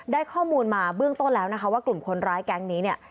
ได้ข้อมูลมาเบื้องต้นแล้วนะคะว่ากลุ่มคนร้ายแก๊งนี้เนี่ย